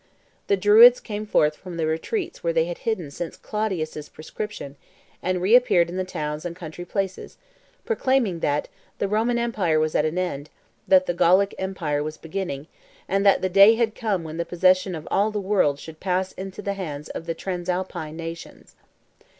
The Druids came forth from the retreats where they had hidden since Claudius' proscription, and reappeared in the towns and country places, proclaiming that "the Roman empire was at an end, that the Gallic empire was beginning, and that the day had come when the possession of all the world should pass into the hands of the Transalpine nations."